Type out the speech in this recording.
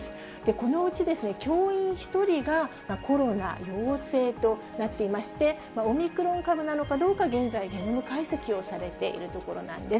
このうち教員１人がコロナ陽性となっていまして、オミクロン株なのかどうか、現在、ゲノム解析をされているところなんです。